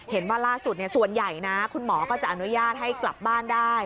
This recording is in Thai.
เห็นว่าล่าสุดส่วนใหญ่นะคุณหมอก็จะอนุญาตให้กลับบ้านได้